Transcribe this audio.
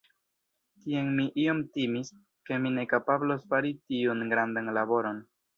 Tiam mi iom timis, ke mi ne kapablos fari tiun grandan laboron.